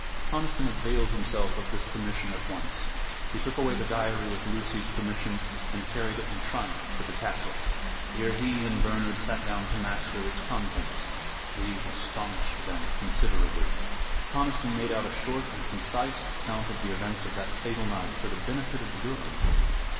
Conniston availed himself of this permission at once. He took away the diary with Lucy's permission, and carried it in triumph to the castle. Here he and Bernard sat down to master its contents. These astonished them considerably. Conniston made out a short and concise account of the events of that fatal night, for the benefit of Durham.